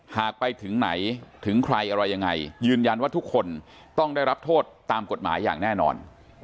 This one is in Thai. หากไปถึงไหนถึงใครอะไรยังไงยืนยันว่าทุกคนต้องได้รับโทษตามกฎหมายอย่างแน่นอน